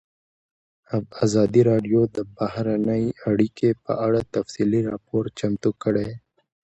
ازادي راډیو د بهرنۍ اړیکې په اړه تفصیلي راپور چمتو کړی.